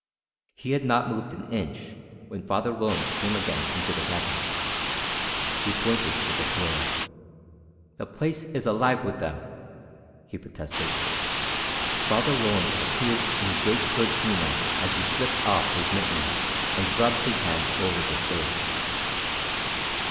He had not moved an inch when Father Roland came again into the cabin. He pointed to the floor. "The place is alive with them!" he protested. Father Roland appeared in great good humour as he slipped off his mittens and rubbed his hands over the stove.